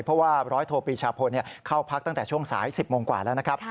เพราะว่าร้อยโทปรีชาพลเข้าพักตั้งแต่ช่วงสาย๑๐โมงกว่าแล้วนะครับ